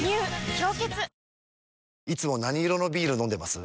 「氷結」いつも何色のビール飲んでます？